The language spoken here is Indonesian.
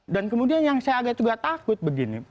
dan kemudian yang saya agak juga takut begini